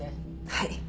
はい。